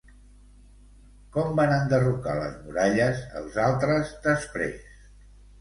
Com van enderrocar les muralles els altres després?